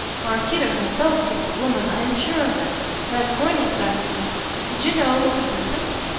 Maraquito herself killed the woman. I am sure of it. That coining factory " "Did you know of its existence?"